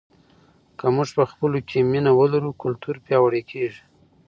که موږ په خپلو کې مینه ولرو کلتور پیاوړی کیږي.